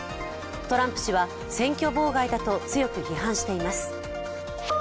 トランプ氏は選挙妨害だと強く批判しています。